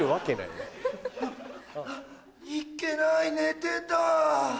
いっけない寝てた。